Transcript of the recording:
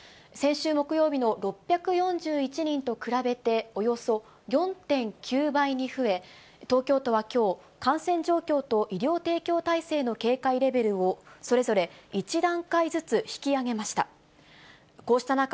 先週木曜日の６４１人と比べて、およそ４．９倍に増え、東京都はきょう、感染状況と医療提供体制の警戒レベルをそれぞれ１段階ずつ引き上げました。